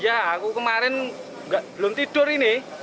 ya aku kemarin belum tidur ini